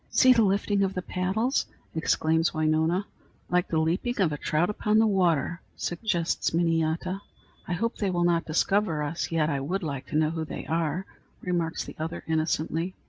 "See the lifting of the paddles!" exclaims Winona. "Like the leaping of a trout upon the water!" suggests Miniyata. "I hope they will not discover us, yet I would like to know who they are," remarks the other, innocently.